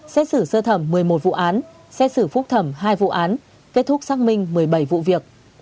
xét xử sơ thẩm một mươi một vụ án xét xử phúc thẩm hai vụ án kết thúc xác minh một mươi bảy vụ việc